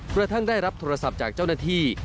กระทั่งได้รับโทรศัพท์จากเจ้าหน้าที่